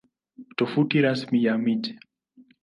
Tovuti Rasmi ya Mji